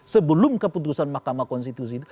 sebelum keputusan mahkamah konstitusi